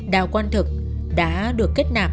đào quang thực đã được kết nạp